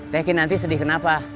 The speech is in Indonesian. tekin nanti sedih kenapa